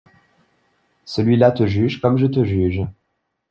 Celui-là te juge, comme je te juge.